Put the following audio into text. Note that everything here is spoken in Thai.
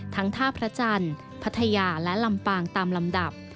ท่าพระจันทร์พัทยาและลำปางตามลำดับ